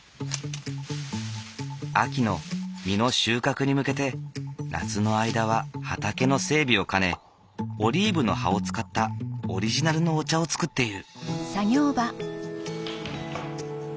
秋の実の収穫に向けて夏の間は畑の整備を兼ねオリーブの葉を使ったオリジナルのお茶を作っている。